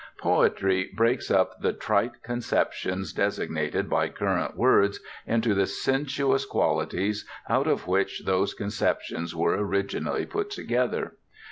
Poetry breaks up the trite conceptions designated by current words into the sensuous qualities out of which those conceptions were originally put together.